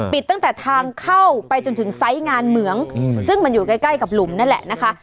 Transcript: ตั้งแต่ทางเข้าไปจนถึงไซส์งานเหมืองซึ่งมันอยู่ใกล้ใกล้กับหลุมนั่นแหละนะคะ